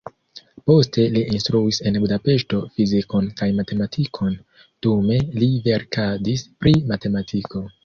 Poste li instruis en Budapeŝto fizikon kaj matematikon, dume li verkadis pri matematiko.